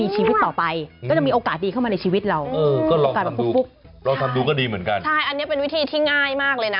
ใช่อันนี้เป็นวิธีที่ง่ายมากเลยนะ